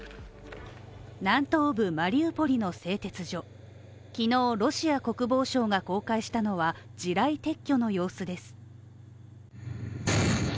南東部マリウポリの製鉄所、きのうロシア国防省が公開したのは、地雷撤去の様子です。